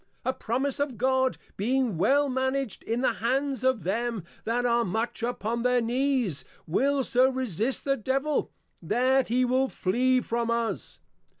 A Promise of God, being well managed in the Hands of them that are much upon their Knees, will so resist the Devil, that he will Flee from us.